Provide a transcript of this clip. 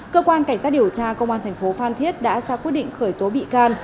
cơ quan cảnh sát điều tra công an thành phố phan thiết đã ra quyết định khởi tố bị can